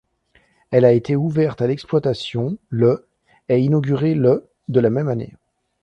Elle a été ouverte à l'exploitation le et inaugurée le de la même année.